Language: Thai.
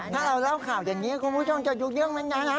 ถ้าเราเล่าข่าวอย่างนี้คุณผู้ชมจะยุ่งแล้วนะนะ